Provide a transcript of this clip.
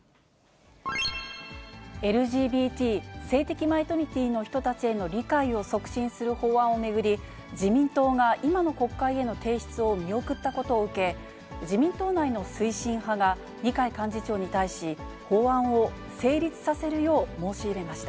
ＬＧＢＴ・性的マイノリティーの人たちへの理解を促進する法案を巡り、自民党が今の国会への提出を見送ったことを受け、自民党内の推進派が二階幹事長に対し、法案を成立させるよう申し入れました。